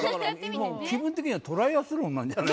気分的にはトライアスロンなんじゃない？